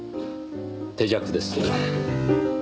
手酌です。